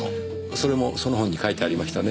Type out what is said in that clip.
それもその本に書いてありましたね。